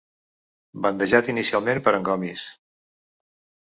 Bandejat inicialment per en Gomis.